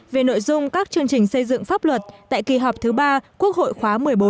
về nội dung các chương trình xây dựng pháp luật tại kỳ họp thứ ba quốc hội khóa một mươi bốn